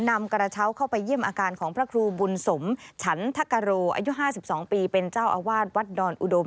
นำกระเช้าเข้าไปเยี่ยมอาการของผู้บูลสมฉันธกโกอายุปีเป็นเจ้าอาวาสวัสดิ์ดอลอุดม